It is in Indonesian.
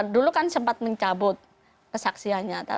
dulu kan sempat mencabut kesaksiannya